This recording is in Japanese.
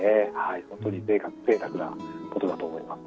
本当にぜいたくなことだと思います。